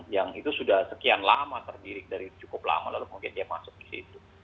yang itu sudah sekian lama terdiri dari cukup lama lalu mungkin dia masuk ke situ